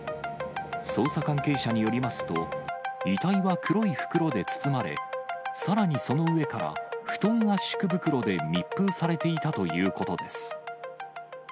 捜査関係者によりますと、遺体は黒い袋で包まれ、さらにその上から布団圧縮袋で密封されていたということです。